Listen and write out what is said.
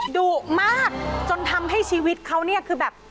ดุมากจนทำให้ชีวิตเขาเนี่ยคือแบบ